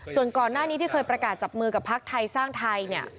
ส่วนก่อนหน้านี้ที่เคยประกาศจับมือกับพักไทยสร้างไทยเนี่ย